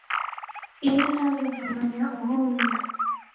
Ini naw'emmanya uho mdu